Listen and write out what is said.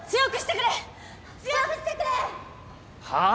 強くしてくれ！はあ？